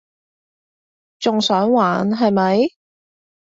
仲想玩係咪？